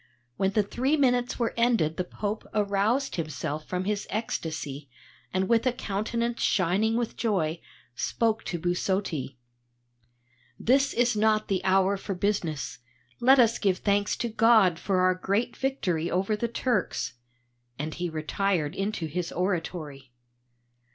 When the three minutes were ended the Pope aroused himself from his ecstasy, and with a countenance shining with joy, spoke to Busotti: 'This is not the hour for business. Let us give thanks to God for our great victory over the Turks,' and he retired into his oratory.